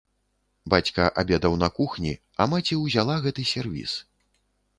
Бацька абедаў на кухні, а маці ўзяла гэты сервіз.